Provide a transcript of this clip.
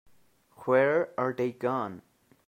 Where are they gone?